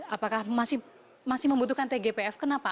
apakah masih membutuhkan tgpf kenapa